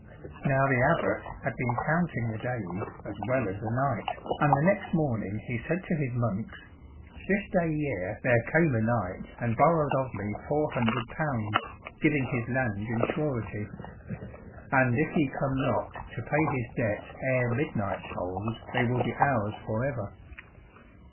Now the Abbot had been counting the days as well as the knight, and the next morning he said to his monks: "This day year there came a knight and borrowed of me four hundred pounds, giving his lands in surety. And if he come not to pay his debt ere midnight tolls they will be ours forever."